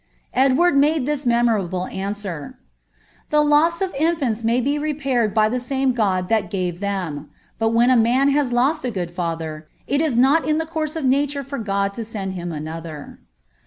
* Edward made this memorable answer :—* The loss of infants may be repaired by Uie same God that gave m ; but when a man has lost a good father, it is not in the course of mre for God to send him another."